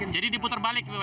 jadi diputer balik itu ya